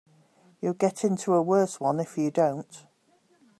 You'll get into a worse one if you don't.